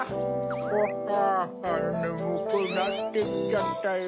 ふぁねむくなってきちゃったよ。